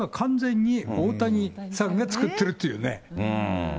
今、完全に大谷さんが作っているっていうね。